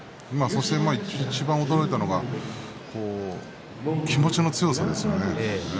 いちばん驚いたのは気持ちの強さですね。